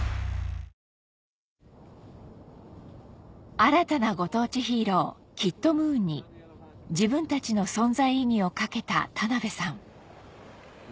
新たなご当地ヒーローキットムーンに自分たちの存在意義を懸けた田辺さん